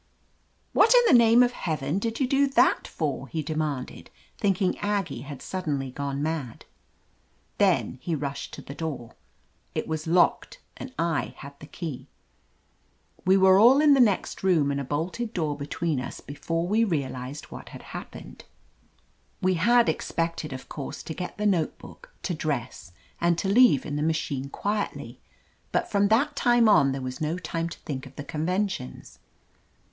"What in the name of Heaven did you do that for?" he demanded, thinking Aggie had suddenly gone mad. Then he rushed to the door. It was locked and 1 had the key ! We were all in the next room and a bolted door between us before he realized what had hap pened. 275 r . THE AMAZING ADVENTURES We had expected, of course, to get the note book, to dress, and to leave in the machine quietly, but from that time on there was no time to think of the conventions.